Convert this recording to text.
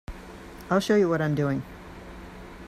I'll show you what I'm doing.